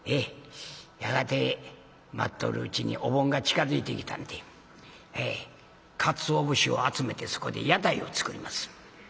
やがて待っとるうちにお盆が近づいてきたんでかつお節を集めてそこで屋台を作ります。